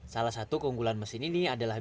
salah satu keunggulan mesin ini adalah